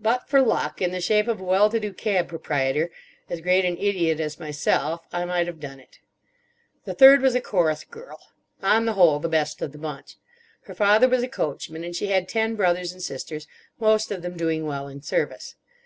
But for Luck, in the shape of a well to do cab proprietor, as great an idiot as myself I might have done it. The third was a chorus girl: on the whole, the best of the bunch. Her father was a coachman, and she had ten brothers and sisters, most of them doing well in service.